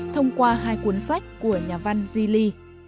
thông qua hai cuốn sách của nhà văn di ly